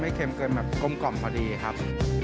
ไม่เค็มเกินแบบกรมก่อนดีครับ